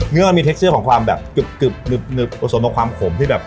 เนื้อมีเทคเซียของความแบบกึบกึบหนึบหนึบผสมต่อความขมที่แบบ